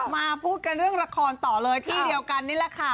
มาพูดกันเรื่องละครต่อเลยที่เดียวกันนี่แหละค่ะ